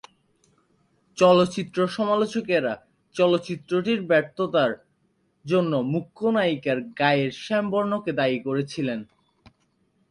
চলচ্চিত্র-সমালোচকেরা চলচ্চিত্রটির ব্যর্থতার জন্য মুখ্য নায়িকার গায়ের শ্যাম বর্ণকে দায়ী করেছিলেন।